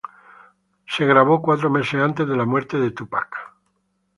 Fue grabado cuatro meses antes de la muerte de Tupac.